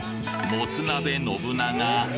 もつ鍋信長？